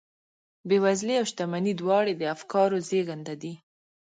بېوزلي او شتمني دواړې د افکارو زېږنده دي.